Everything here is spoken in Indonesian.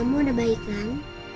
mama udah baik kan